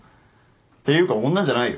ていうか女じゃないよ